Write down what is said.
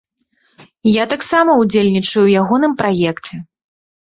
Я таксама ўдзельнічаю ў ягоным праекце.